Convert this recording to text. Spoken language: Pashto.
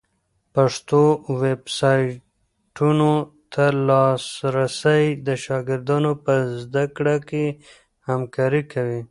پښتو ویبسایټونو ته لاسرسی د شاګردانو په زده کړه کي همکاری کوي.